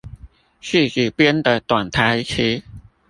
自己編的短台詞